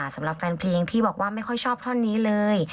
สำหรับแฟนเพลงที่บอกว่าไม่ค่อยชอบท่อนนี้เลย